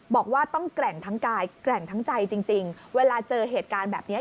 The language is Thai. บอกว่าต้องแกร่งทั้งกายแกร่งทั้งใจจริงเวลาเจอเหตุการณ์แบบนี้